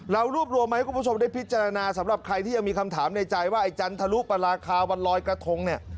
เรารวบรวมมาให้คุณผู้ชมได้พิจารณาสำหรับใครที่ยังมีคำถามในใจว่าไอ้จันทรุปราคาวันลอยกระทงเนี่ย